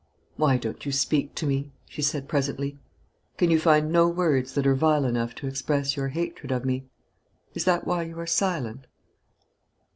"Why don't you speak to me?" she said presently. "Can you find no words that are vile enough to express your hatred of me? Is that why you are silent?"